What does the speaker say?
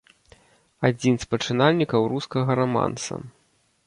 Адзін з пачынальнікаў рускага раманса.